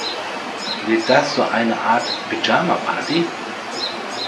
Wird das so eine Art Pyjama-Party?